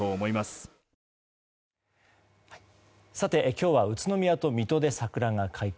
今日は宇都宮と水戸で桜が開花。